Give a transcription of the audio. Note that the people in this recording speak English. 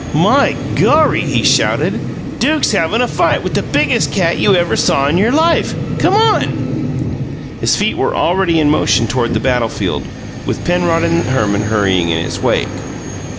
"My gorry!" he shouted. "Duke's havin' a fight with the biggest cat you ever saw in your life! C'mon!" His feet were already in motion toward the battlefield, with Penrod and Herman hurrying in his wake.